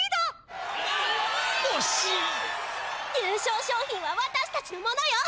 優勝賞品はわたしたちのものよ！